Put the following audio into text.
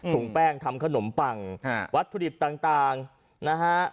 แป้งทำขนมปังวัตถุดิบต่างนะฮะ